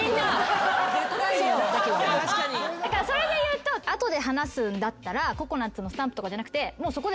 だからそれで言うと後で話すんだったらココナツのスタンプとかじゃなくてそこで。